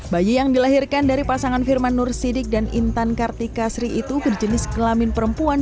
bayi yang dilahirkan dari pasangan firman nur sidik dan intan kartikasri itu berjenis kelamin perempuan